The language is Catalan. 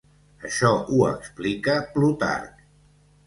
Així ho explica Plutarc.